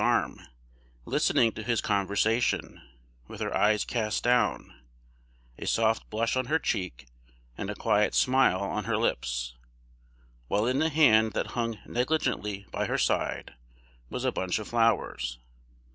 ] The fair Julia was leaning on her lover's arm, listening to his conversation, with her eyes cast down, a soft blush on her cheek, and a quiet smile on her lips, while in the hand that hung negligently by her side was a bunch of flowers.